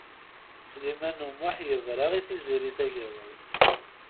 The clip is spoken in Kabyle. Sliman U Muḥ yebra i Tiziri Tagawawt.